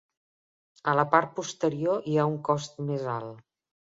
A la part posterior hi ha un cos més alt.